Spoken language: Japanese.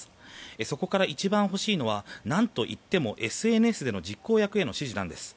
そこから一番欲しいのは何といってもＳＮＳでの実行役への指示なんです。